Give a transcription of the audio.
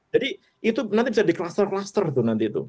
jadi itu nanti bisa di cluster cluster tuh nanti itu